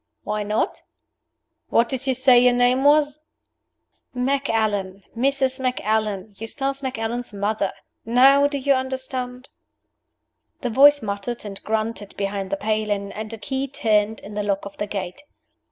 "Why not?" "What did you say your name was?" "Macallan. Mrs. Macallan. Eustace Macallan's mother. Now do you understand?" The voice muttered and grunted behind the paling, and a key turned in the lock of the gate.